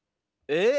え？